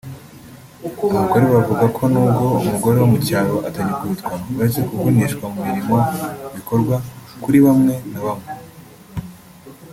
Abagore bavuga ko nubwo umugore wo mu cyaro atagikubitwa uretse kuvunishwa mu mirimo bikorwa kuri bamwe na bamwe